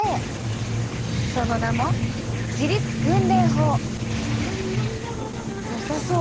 その名もよさそう。